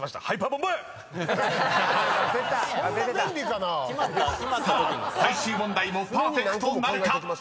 ［さあ最終問題もパーフェクトなるか？］